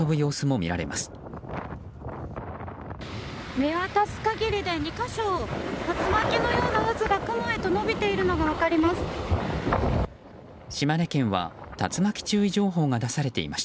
見渡す限りで２か所竜巻のような渦が雲へと延びているのが分かります。